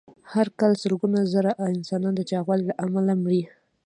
هر کال سلګونه زره انسانان د چاغوالي له امله مري.